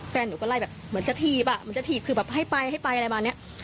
แฟนหนูก็ไล่แบบเหมือนจะถีบอ่ะเหมือนจะถีบคือแบบให้ไปให้ไปอะไรมาเนี้ย